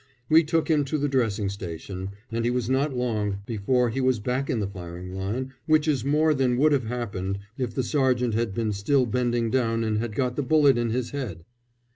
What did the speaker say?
We took him to the dressing station, and he was not long before he was back in the firing line, which is more than would have happened if the sergeant had been still bending down and had got the bullet in his head.